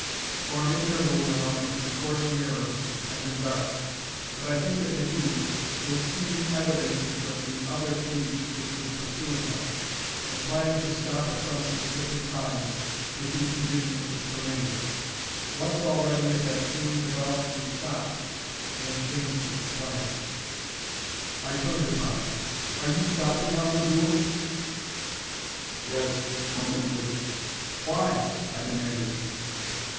For an interval, now, its recording mirror had been dark. But I think that Migul was seeing evidences of the other cage which was pursuing us, and planning to stop at some specific Time with whose condition it was familiar. Once already it had seemed about to stop, and then changed its plan. I turned upon it. "Are you stopping now, Migul?" "Yes. Presently." "Why?" I demanded.